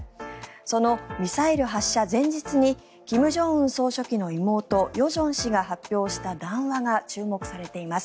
そのミサイル発射前日に金正恩総書記の妹・与正氏が発表した談話が注目されています。